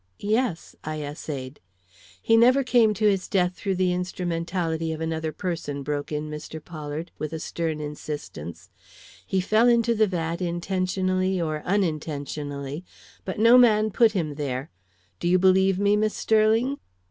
"Yes," I essayed. "He never came to his death through the instrumentality of another person," broke in Mr. Pollard, with a stern insistence. "He fell into the vat intentionally or unintentionally, but no man put him there. Do you believe me, Miss Sterling?"